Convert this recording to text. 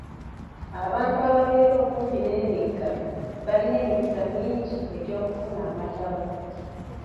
Abantu ababeera okumpi n'emigga balina emikisa mingi egy'okufuna amataba.